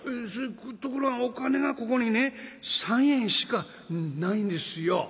「ところがお金がここにね３円しかないんですよ」。